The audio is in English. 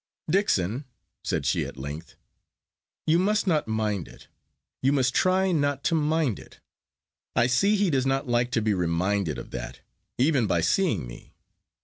"Dixon!" said she at length, "you must not mind it. You must try not to mind it. I see he does not like to be reminded of that, even by seeing me.